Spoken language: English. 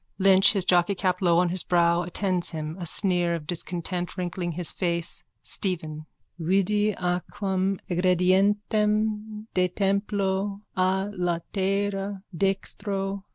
Lynch, his jockeycap low on his brow, attends him, a sneer of discontent wrinkling his face.)_ STEPHEN: _Vidi aquam egredientem de templo a latere dextro.